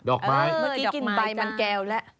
ดอกไม้ดอกไม้จ้ะเมื่อกี้กินใบมันแกวแล้ว